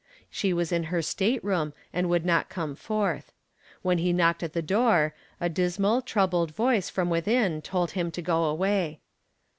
She was in her stateroom and would not come forth. When he knocked at the door a dismal, troubled voice from within told him to go away.